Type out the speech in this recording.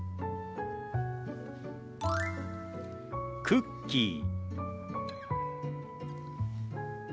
「クッキー」。